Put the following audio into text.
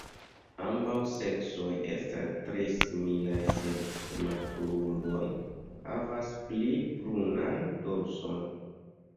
Ambaŭ seksoj estas tre similaj, sed nematuruloj havas pli brunan dorson.